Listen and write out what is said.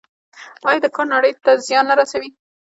آیا دا کار نړۍ ته زیان نه رسوي؟